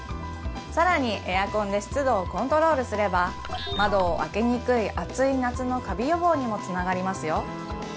さらにエアコンで湿度をコントロールすれば窓を開けにくい暑い夏のカビ予防にもつながりますよ